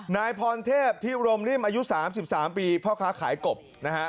นายพรเทพพิรมนิ่มอายุ๓๓ปีพ่อค้าขายกบนะฮะ